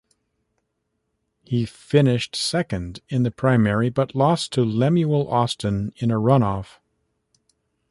He finished second in the primary but lost to Lemuel Austin in a runoff.